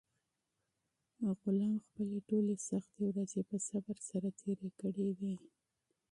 غلام خپلې ټولې سختې ورځې په صبر سره تېرې کړې وې.